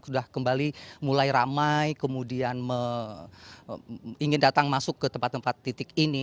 sudah kembali mulai ramai kemudian ingin datang masuk ke tempat tempat titik ini